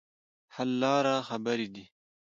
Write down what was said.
حل لاره خبرې دي.